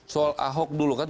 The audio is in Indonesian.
soal ahok dulu kan